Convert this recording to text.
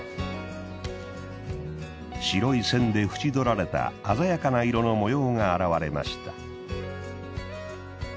白い線で縁取られた鮮やかな色の模様が現れました。